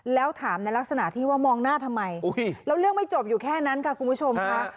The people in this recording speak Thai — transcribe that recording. แล้วถามในลักษณะที่ว่ามองหน้าทำไมแล้วเรื่องไม่จบอยู่แค่นั้นค่ะคุณผู้ชมค่ะ